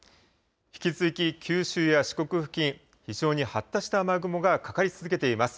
引き続き九州や四国付近、非常に発達した雨雲がかかり続けています。